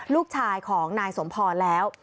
ลูกชายของนายสมพรแล้ว